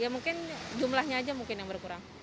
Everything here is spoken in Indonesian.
ya mungkin jumlahnya aja mungkin yang berkurang